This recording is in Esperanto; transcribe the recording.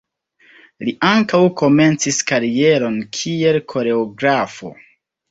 Li ankaŭ komencis karieron kiel koreografo.